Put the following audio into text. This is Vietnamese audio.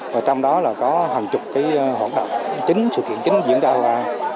và trong đó là có hàng chục cái hoạt động chính sự kiện chính diễn ra hội an